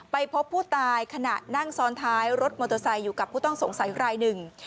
พบผู้ตายขณะนั่งซ้อนท้ายรถมอเตอร์ไซค์อยู่กับผู้ต้องสงสัยรายหนึ่ง